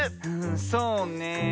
そうねえ。